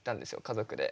家族で。